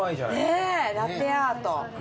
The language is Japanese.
ねえラテアート。